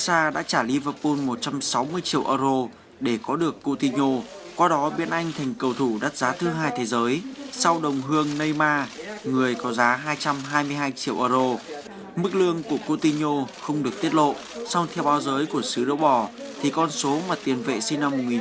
xin chào và hẹn gặp lại